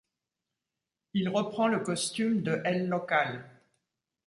Il reprend le costume de El Local.